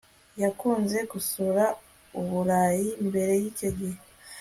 Yakunze gusura Uburayi mbere yicyo gihe